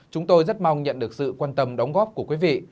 chúng tôi rất mong nhận được sự quan tâm đóng góp của quý vị